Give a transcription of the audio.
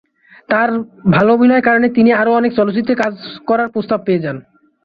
তার ভালো অভিনয়ের কারণে তিনি আরো অনেক চলচ্চিত্রে কাজ করার প্রস্তাব পেয়ে যান।